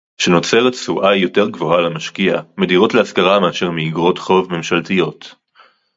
שנוצרת תשואה יותר גבוהה למשקיע מדירות להשכרה מאשר מאיגרות חוב ממשלתיות